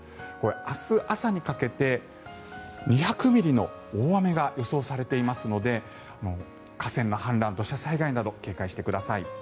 明日朝にかけて２００ミリの大雨が予想されていますので河川の氾濫、土砂災害など警戒してください。